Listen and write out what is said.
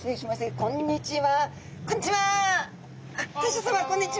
こんにちは。